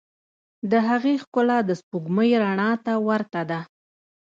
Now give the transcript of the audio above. د هغې ښکلا د سپوږمۍ رڼا ته ورته ده.